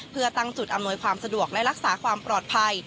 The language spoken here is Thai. เพื่อตั้งจุดอำนวยความสะดวกและรักษาความปลอดภัย